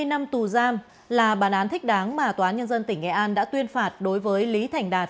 hai mươi năm tù giam là bàn án thích đáng mà tòa án nhân dân tỉnh nghệ an đã tuyên phạt đối với lý thành đạt